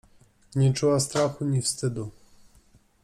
Nie czuła strachu ni wstydu.